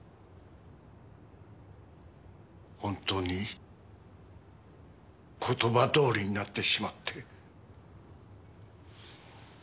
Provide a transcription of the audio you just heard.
本当に言葉どおりになってしまって。